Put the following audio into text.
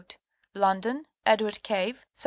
London, Edward Cave, 1741.